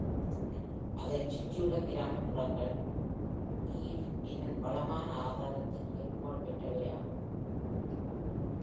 அதைச் சுற்றியுள்ள கிராமப்புறங்கள் kief இன் வளமான ஆதாரத்திற்கு புகழ் பெற்றவையாகும்.